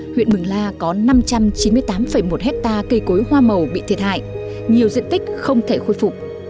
huyện mường la có năm trăm chín mươi tám một hectare cây cối hoa màu bị thiệt hại nhiều diện tích không thể khôi phục